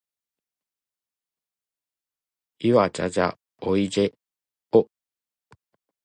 いはじゃじゃおいじぇお。